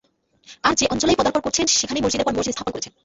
আর যে অঞ্চলেই পদার্পণ করেছেন সেখানেই মসজিদের পর মসজিদ স্থাপন করছেন।